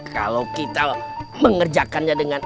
kalau kita mengerjakannya dengan